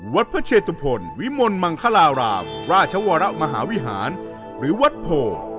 วัดพระเชตุพลวิมลมังคลารามราชวรมหาวิหารหรือวัดโพ